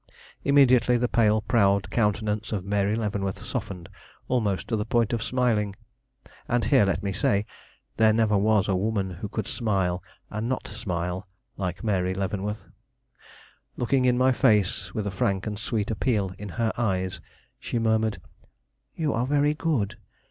Immediately the pale, proud countenance of Mary Leavenworth softened almost to the point of smiling; and here let me say, there never was a woman who could smile and not smile like Mary Leavenworth. Looking in my face, with a frank and sweet appeal in her eyes, she murmured: "You are very good.